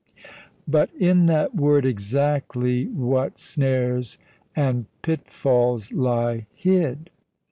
But in that word "exactly" what snares and pitfalls lie hid!